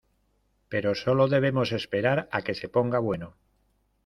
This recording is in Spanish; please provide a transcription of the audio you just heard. pero solo debemos esperar a que se ponga bueno.